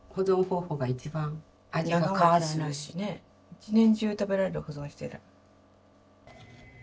一年中食べられる保存して。